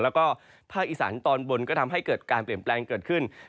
แล้วก็ภาคอีสานตอนบนก็ทำให้เกิดการเปลี่ยนแปลงเกิดขึ้น